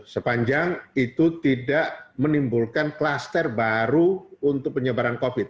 sepanjang itu tidak menimbulkan kluster baru untuk penyebaran covid